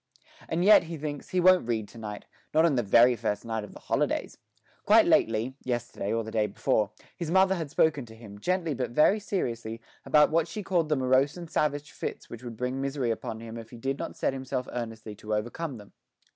And yet, he thinks, he won't read to night not on the very first night of the holidays. Quite lately yesterday or the day before his mother had spoken to him, gently but very seriously, about what she called the morose and savage fits which would bring misery upon him if he did not set himself earnestly to overcome them.